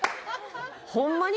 ホンマに？